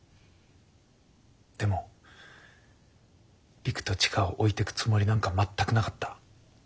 でも璃久と千佳を置いていくつもりなんか全くなかった。